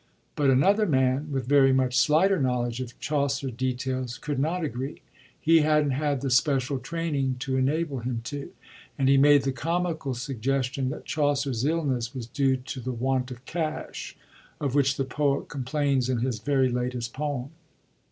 But another man, with very much slighter knowledge of Chaucer details, could not agree — he hadn't had the special training to enable him to— and he made the comical suggestion that Chaucer's illness was due to the want of cash,^ of which the poet com plains in his very latest poem.